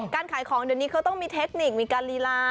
การขายของเดี๋ยวนี้เขาต้องมีเทคนิคมีการลีลา